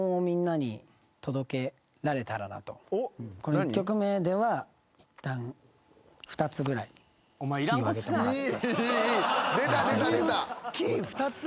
１曲目ではいったん２つぐらいキーを上げてもらって。